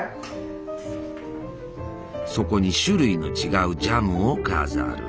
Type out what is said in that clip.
そこに種類の違うジャムを飾る。